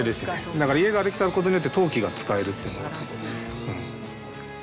だから家ができたことによって陶器が使えるっていうのが。